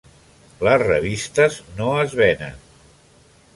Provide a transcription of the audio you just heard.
Les revistes no es venen.